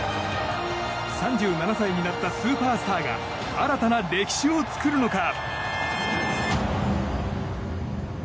３７歳になったスーパースターが新たな歴史を作るのか。